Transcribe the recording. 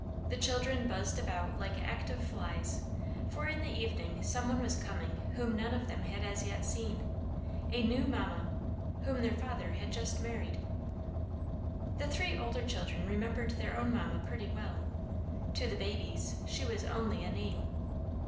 The children buzzed about like active flies, for in the evening some one was coming whom none of them had as yet seen, a new mamma, whom their father had just married. The three older children remembered their own mamma pretty well; to the babies, she was only a name.